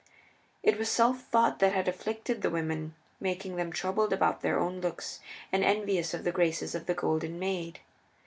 It was Self thought that had afflicted the women, making them troubled about their own looks, and envious of the graces of the Golden Maid.